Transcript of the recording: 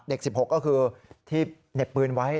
๑๖ก็คือที่เหน็บปืนไว้